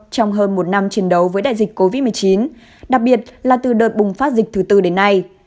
trong hơn một năm chiến đấu với đại dịch covid một mươi chín đặc biệt là từ đợt bùng phát dịch thứ tư đến nay